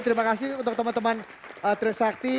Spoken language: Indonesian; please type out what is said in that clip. terima kasih untuk teman teman tri sakti